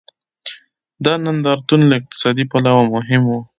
دا نندارتون له اقتصادي پلوه هم مهم و.